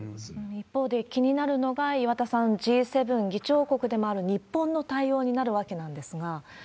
一方で気になるのが、岩田さん、Ｇ７議長国でもある日本の対応になるわけなんですが。